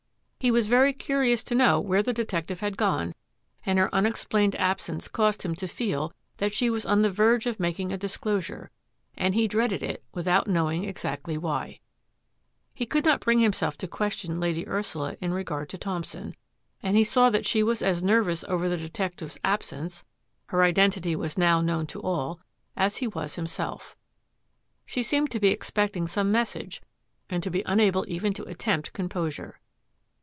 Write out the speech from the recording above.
He was very curious to know where the detective had gone, and her unexplained absence caused him to feel that she was on the verge of making a disclosure, and he dreaded it without knowing exactly why. He could not bring himself to question Lady Ursula in regard to Thompson, and he saw that she was as nervous over the detective's absence — her identity was now known to all — as he was himself. She seemed to be expecting some message and to be unable even to attempt composure.